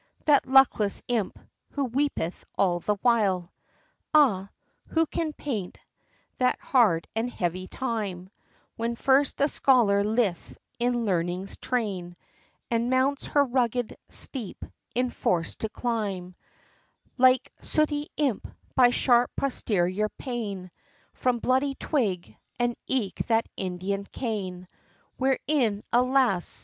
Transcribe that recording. that luckless imp, who weepeth all the while! XVII. Ah! who can paint that hard and heavy time, When first the scholar lists in Learning's train, And mounts her rugged steep, enforc'd to climb, Like sooty imp, by sharp posterior pain, From bloody twig, and eke that Indian cane, Wherein, alas!